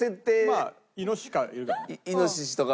まあイノシシとか。